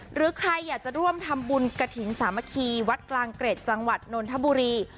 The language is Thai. หรือใครอยากจะร่วมทำบุญกระถิ่นสามัคคีวัดกลางเกร็ดจังหวัดนนทบุรี